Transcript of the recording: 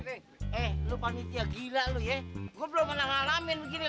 eh lu panitia gila lu ya gue belum pernah ngalamin begini